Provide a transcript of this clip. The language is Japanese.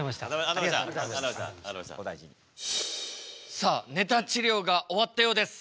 さあネタ治りょうが終わったようです。